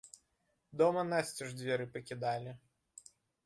Дома насцеж дзверы пакідалі.